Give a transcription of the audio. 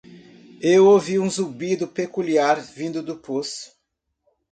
Eu ouvi um zumbido peculiar vindo do poço.